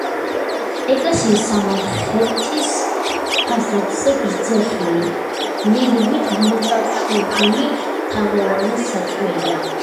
ეკლესიის სამხრეთის ფასადზე გრეხილი ლილვით მოჩარჩოებული თაღოვანი სარკმელია.